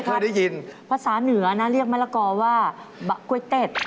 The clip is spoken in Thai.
ดัวไหมไม่เคยได้ยินเลยใช่ไหมครับพัฒน์เหนือนะเรียกมาลักอว่ากล้วยเต้บ